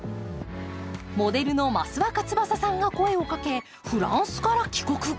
モデルの益若つばささんが声をかけ、フランスから帰国。